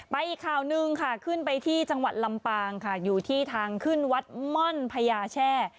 อีกข่าวหนึ่งค่ะขึ้นไปที่จังหวัดลำปางค่ะอยู่ที่ทางขึ้นวัดม่อนพญาแช่